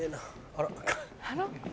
あら？